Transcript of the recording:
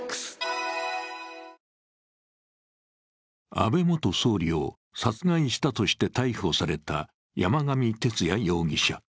安倍元総理を殺害したとして逮捕された山上徹也容疑者。